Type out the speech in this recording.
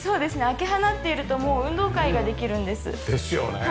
開け放っているともう運動会ができるんです。ですよね。